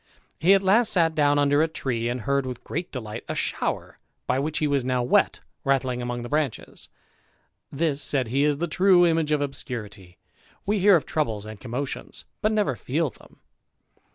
He at last sat down under a tree, and heard with' great delight a shower, by which he was now wet, rattling among the branches: This, said he, is the true image of obscurity; we hear of troubles and commotions, but never feel them.